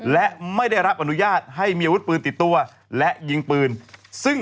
และไม่ได้รับอนุญาตให้มีอาวุธปืนติดตัวและยิงปืนซึ่ง